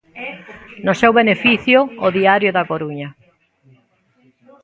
No seu beneficio, o Diario da Coruña.